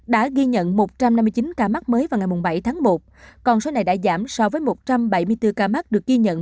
đã ghi nhận một trăm năm mươi chín ca mắc mới vào ngày bảy tháng một còn số này đã giảm so với một trăm bảy mươi bốn ca mắc được ghi nhận